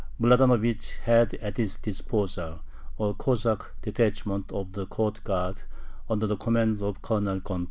Mladanovich had at his disposal a Cossack detachment of the court guard under the command of Colonel Gonta.